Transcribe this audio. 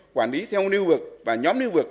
quản lý theo nưu vực và nhóm nưu vực